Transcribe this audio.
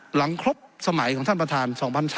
หลังครบสมัยของท่านประธาน๒๕๓